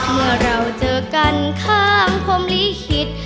เมื่อเราเจอกันข้ามพรมลิขิต